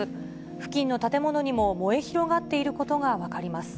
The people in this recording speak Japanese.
付近の建物にも燃え広がっていることが分かります。